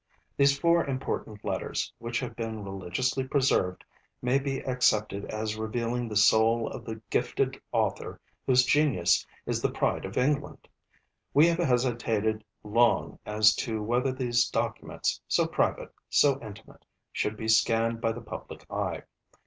These four important Letters, which have been religiously preserved, may be accepted as revealing the soul of the gifted author whose genius is the pride of England. We have hesitated long as to whether these documents, so private, so intimate, should be scanned by the public eye.